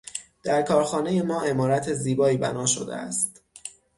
در کارخانهٔ ما عمارت زیبائی بناء شده است.